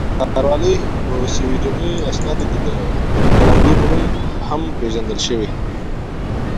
The municipality is also known as "Puolango" in Swedish documents.